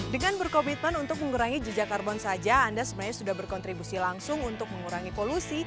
dengan berkomitmen untuk mengurangi jejak karbon saja anda sebenarnya sudah berkontribusi langsung untuk mengurangi polusi